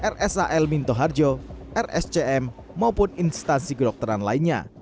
rsal minto harjo rscm maupun instansi kedokteran lainnya